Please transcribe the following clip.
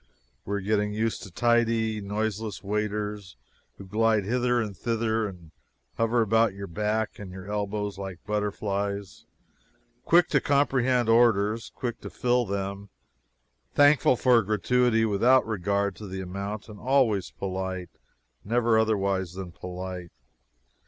We are getting used to tidy, noiseless waiters, who glide hither and thither, and hover about your back and your elbows like butterflies, quick to comprehend orders, quick to fill them; thankful for a gratuity without regard to the amount; and always polite never otherwise than polite.